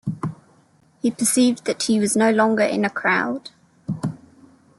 He perceived that he was no longer in a crowd.